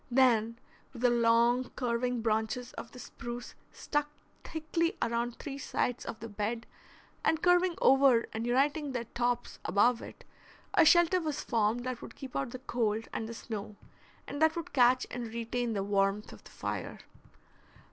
Then, with the long, curving branches of the spruce stuck thickly around three sides of the bed, and curving over and uniting their tops above it, a shelter was formed that would keep out the cold and the snow, and that would catch and retain the warmth of the fire.